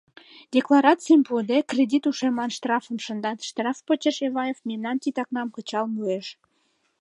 Декларацийым пуыде, кредит ушемлан штрафым шындат, штраф почеш Эваев мемнан титакнам кычал муэш.